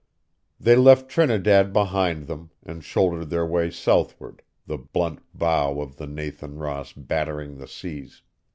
They left Trinidad behind them, and shouldered their way southward, the blunt bow of the Nathan Ross battering the seas.